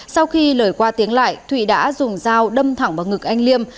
sau khi lời qua tiếng lại thụy đã dùng dao đâm thẳng vào ngực anh liêm